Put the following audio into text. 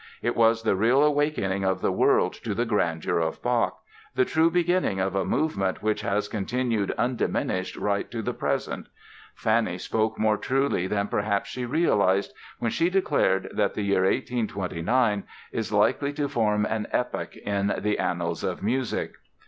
It was the real awakening of the world to the grandeur of Bach, the true beginning of a movement which has continued undiminished right up to the present. Fanny spoke more truly than perhaps she realized when she declared that "the year 1829 is likely to form an epoch in the annals of music".